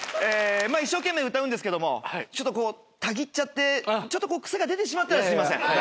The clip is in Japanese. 一生懸命歌うんですけどもちょっとたぎっちゃって癖が出てしまったらすいません。